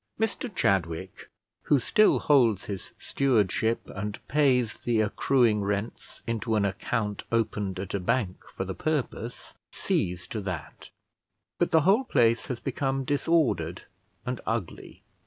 Mr Chadwick, who still holds his stewardship, and pays the accruing rents into an account opened at a bank for the purpose, sees to that; but the whole place has become disordered and ugly.